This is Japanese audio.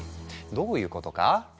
どういうことか？